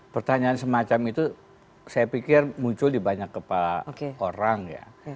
pertanyaan semacam itu saya pikir muncul di banyak kepala orang ya